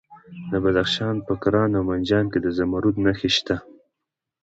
د بدخشان په کران او منجان کې د زمرد نښې شته.